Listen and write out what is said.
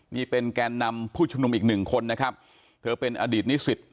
นี่เป็นแกนนำผู้ชุมนุมอีกหนึ่งคนนะครับเธอเป็นอดีตนิสิต